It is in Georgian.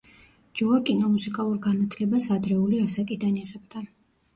ჯოაკინო მუსიკალურ განათლებას ადრეული ასაკიდან იღებდა.